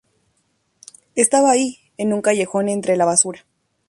Estaba ahí, en un callejón, entre la basura.